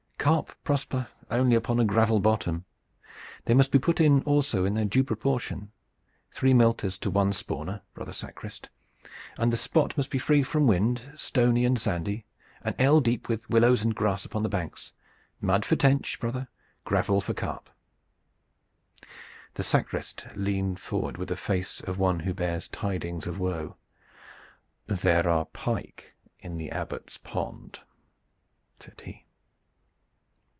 "Carp prosper only upon a gravel bottom. They must be put in also in their due proportion, three milters to one spawner, brother sacrist, and the spot must be free from wind, stony and sandy, an ell deep, with willows and grass upon the banks. Mud for tench, brother, gravel for carp." The sacrist leaned forward with the face of one who bears tidings of woe. "There are pike in the Abbot's pond," said he.